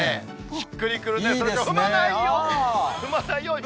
しっくりくるね、そらジロー、踏まないように。